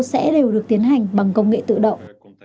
sẽ đều được tiến hành bằng công nghệ tự động